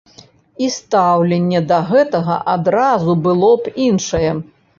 І стаўленне да гэтага адразу было б іншае.